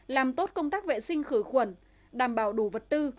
làm tốt công tác vệ sinh khử khuẩn đảm bảo đủ vật tư